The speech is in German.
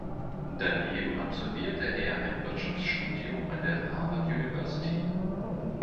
Daneben absolvierte er ein Wirtschaftsstudium an der Harvard University.